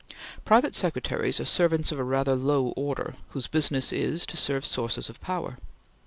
Private secretaries are servants of a rather low order, whose business is to serve sources of power.